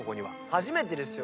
初めてですよ。